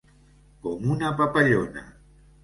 Com una papallona.